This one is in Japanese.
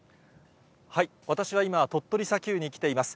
私は今、鳥取砂丘に来ています。